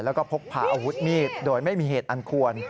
แล้วก็พกพาอาวุธมีดโดยไม่มีเหตุอันควร